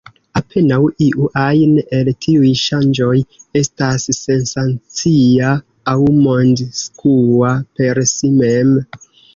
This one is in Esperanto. Apenaŭ iu ajn el tiuj ŝanĝoj estas sensacia aŭ mondskua per si mem.